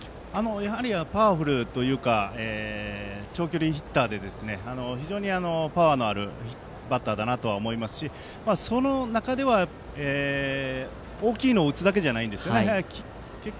やはりパワフルというか長距離ヒッターで非常にパワーのあるバッターだなとは思いますしその中では大きいのを打つだけじゃないんですよね。